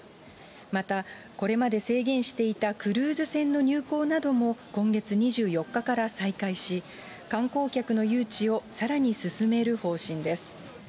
また、これまで制限していたクルーズ船の入港なども今月２４日から再開し、観光客の誘致をさらに進める方針です。